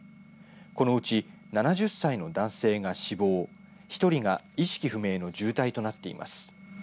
このうち７０歳の男性が死亡１人が意識不明の重体となっています。